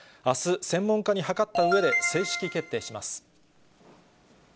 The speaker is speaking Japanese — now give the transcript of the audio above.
あす、専門家に諮ったうえで、正式決定します。